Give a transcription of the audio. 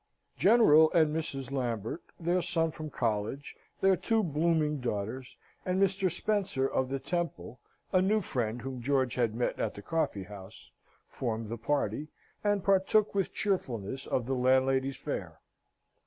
General and Mrs. Lambert, their son from college, their two blooming daughters, and Mr. Spencer of the Temple, a new friend whom George had met at the coffee house, formed the party, and partook with cheerfulness of the landlady's fare.